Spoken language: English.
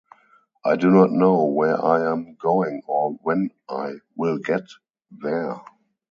I do not know where I am going or when I will get there.